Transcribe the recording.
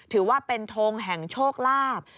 ถือว่าเป็นทงแห่งโชคลาภ